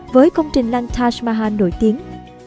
với công trình lăn taj mahal nổi tiếng